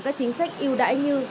các chính sách yêu đại như